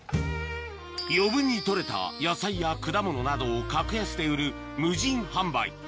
余分に取れた野菜や果物などを格安で売る無人販売